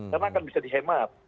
karena akan bisa dihemat